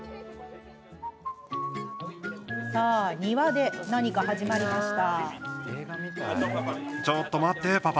さあ、庭で何か始まりました。